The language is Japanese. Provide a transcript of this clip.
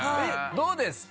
どうですか？